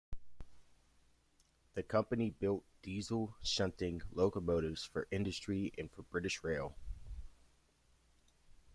The company built diesel shunting locomotives for industry and for British Rail.